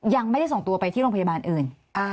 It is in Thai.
ยังไม่ได้ส่งตัวไปที่โรงพยาบาลอื่น